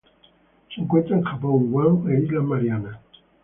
Se encuentra en Japón, Guam e Islas Marianas.